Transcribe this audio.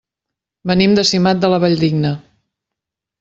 Venim de Simat de la Valldigna.